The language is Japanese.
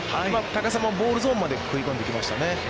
高さもボールゾーンまで食い込んできましたね。